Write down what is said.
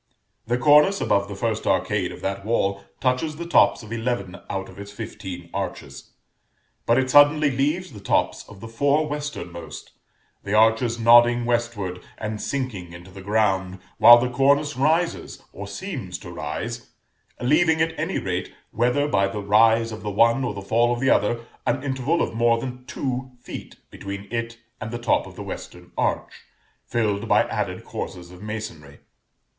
The cornice above the first arcade of that wall touches the tops of eleven out of its fifteen arches; but it suddenly leaves the tops of the four westernmost; the arches nodding westward and sinking into the ground, while the cornice rises (or seems to rise), leaving at any rate, whether by the rise of the one or the fall of the other, an interval of more than two feet between it and the top of the western arch, filled by added courses of masonry.